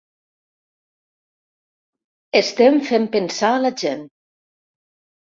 Estem fent pensar a la gent.